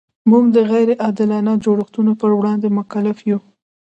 موږ د غیر عادلانه جوړښتونو پر وړاندې مکلف یو.